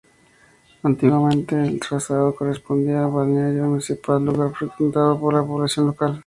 Antiguamente, el trazado correspondía al balneario municipal, lugar frecuentado por la población local.